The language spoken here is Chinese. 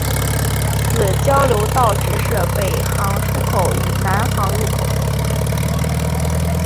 此交流道只设北行出口与南行入口。